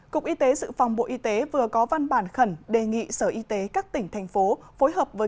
cục y tế dự phòng bộ y tế vừa có văn bản khẩn đề nghị sở y tế các tỉnh thành phố phối hợp với